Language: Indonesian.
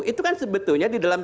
data itu itu kan sebetulnya di dalam